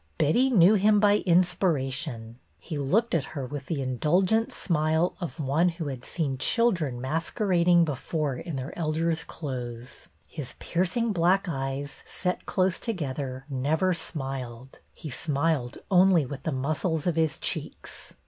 Betty knew him by inspiration. He looked at her with the indulgent smile of one who had seen children masquerading before in their elders' clothes. His piercing black eyes, set close to gether, never smiled; he smiled only with the muscles of his cheeks.